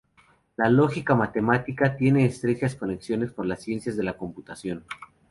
La lógica matemática tiene estrechas conexiones con las ciencias de la computación.